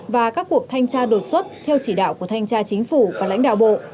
và các cuộc thanh tra đột xuất theo chỉ đạo của thanh tra chính phủ và lãnh đạo bộ